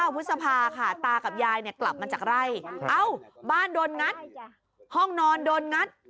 พฤษภาค่ะตากับยายเนี่ยกลับมาจากไร่เอ้าบ้านโดนงัดห้องนอนโดนงัด